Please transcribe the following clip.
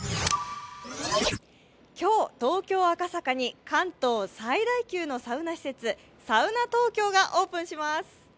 今日、東京・赤坂に関東最大級のサウナ施設Ｓａｕｎａ−Ｔｏｋｙｏがオープンします。